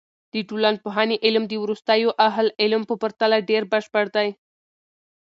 د ټولنپوهنې علم د وروستیو اهل علم په پرتله ډېر بشپړ دی.